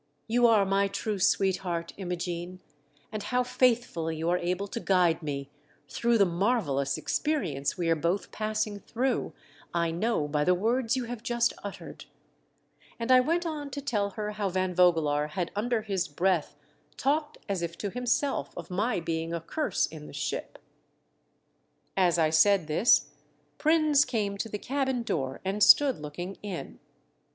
"You are my true sweetheart, Imogene, and how faithfully you are able to guide me through the marvellous experience we are both passing through, I know by the words you have just uttered," and I went on to tell her how Van Vogelaar had under his breath talked as if to himself of my being a curse in the ship. As I said this, Prins came to the cabin door, and stood looking in.